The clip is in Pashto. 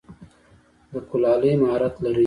د کلالۍ مهارت لری؟